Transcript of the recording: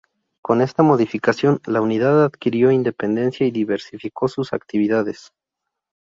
Con esta modificación la Unidad adquirió independencia y diversificó sus actividades.